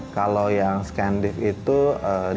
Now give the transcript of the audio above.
kalau yang skandif itu dari